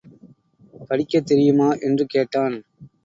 படிக்கத் தெரியுமா? என்று கேட்டான்.